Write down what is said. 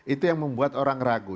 itu yang membuat orang ragu